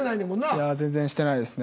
いや全然してないですね。